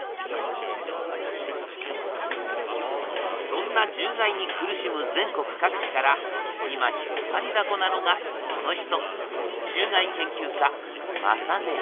そんな獣害に苦しむ全国各地から今引っ張りだこなのがこの人。